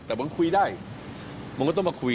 แต่มันคุยได้มันก็ต้องมาคุย